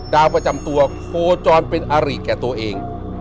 ดาวประจำตัวโคจรเป็นอาริแก่ตัวเอง